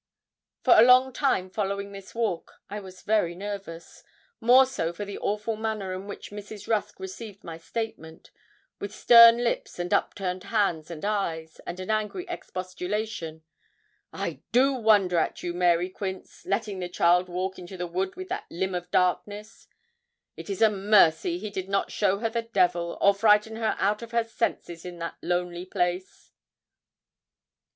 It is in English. For a long time following this walk I was very nervous; more so for the awful manner in which Mrs. Rusk received my statement with stern lips and upturned hands and eyes, and an angry expostulation: 'I do wonder at you, Mary Quince, letting the child walk into the wood with that limb of darkness. It is a mercy he did not show her the devil, or frighten her out of her senses, in that lonely place!'